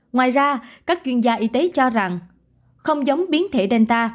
ngoài ra các chuyên gia y tế cho rằng không giống biến thể danta